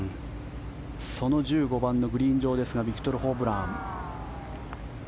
その１５番のグリーン上ですがビクトル・ホブラン。